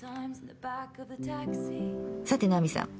さて奈美さん